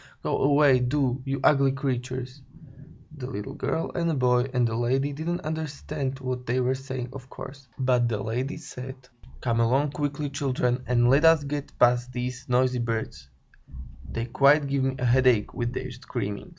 Go away, do, you ugly creatures!" The little girl and boy and the lady didn't understand what they were saying, of course. But the lady said: "Come along quickly, children, and let us get past these noisy birds; they quite give me a headache with their screaming."